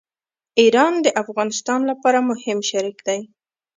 ایران د افغانستان لپاره مهم شریک دی.